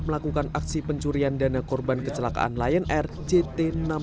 melakukan aksi pencurian dana korban kecelakaan lion air jt enam ratus sepuluh